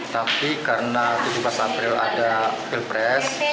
tapi karena tujuh belas april ada pilpres